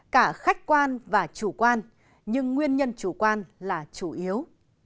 cả khách quan và chủ quan nhưng nguyên nhân chủ quan là chủ yếu